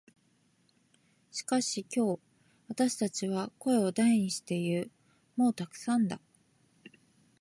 しかし今日、私たちは声を大にして言う。「もうたくさんだ」。